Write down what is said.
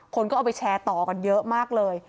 คนก็เอาไปแชร์ต่อกันเยอะมากเลย